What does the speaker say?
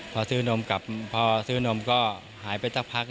พอซื้อนมกลับพอซื้อนมก็หายไปสักพัก